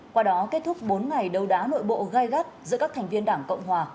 qua đó kết thúc bốn ngày đấu đá nội bộ gai gắt giữa các thành viên đảng cộng hòa